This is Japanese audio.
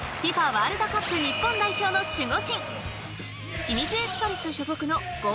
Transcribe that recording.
ワールドカップ日本代表の僕からは。